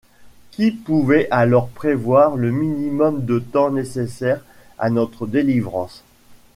Qui pouvait alors prévoir le minimum de temps nécessaire à notre délivrance ?